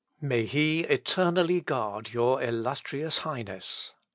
May he eternally guard your illustrious Highness!